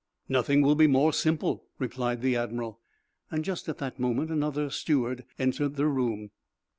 "Nothing will be more simple," replied the admiral. Just at that moment another steward entered the room.